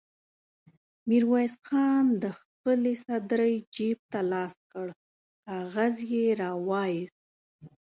ميرويس خان د خپلې سدرۍ جېب ته لاس کړ، کاغذ يې را وايست.